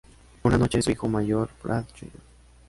Una noche, su hijo mayor Brad, Jr.